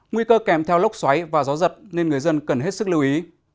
nguy cơ kèm theo lốc xoáy và gió giật nên người dân cần hết sức lưu ý